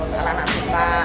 kalau anak kita